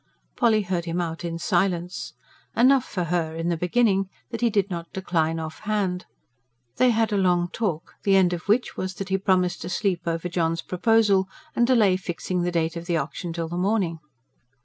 Polly heard him out in silence. Enough for her, in the beginning, that he did not decline off hand. They had a long talk, the end of which was that he promised to sleep over John's proposal, and delay fixing the date of the auction till the morning.